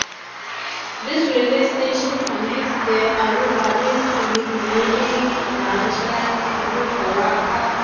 This railway station connects the Alubari–Siliguri branch line and New Farakka–New Jalpaiguri line.